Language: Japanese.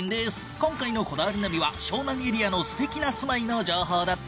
今回の『こだわりナビ』は湘南エリアの素敵な住まいの情報だって。